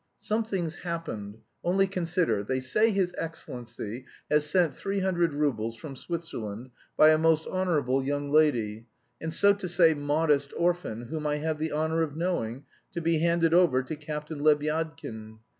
"Something's happened, only consider: they say his excellency has sent three hundred roubles from Switzerland by a most honourable young lady, and, so to say, modest orphan, whom I have the honour of knowing, to be handed over to Captain Lebyadkin.